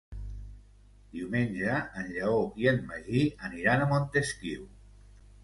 Diumenge en Lleó i en Magí aniran a Montesquiu.